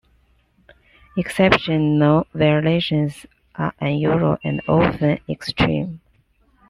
Exceptional violations are unusual and often extreme.